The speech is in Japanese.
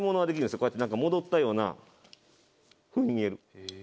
こうやってなんか戻ったようなふうに見える。